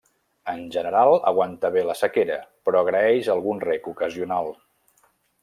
En general aguanta bé la sequera però agraeix algun reg ocasional.